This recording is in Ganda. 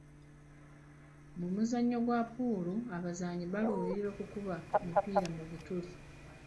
Mu muzannyo gwa puulu, abazannyi baluubirira kukuba mipiira mu bituli.